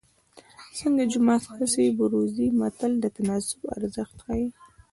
څنګه جومات هسې بروزې متل د تناسب ارزښت ښيي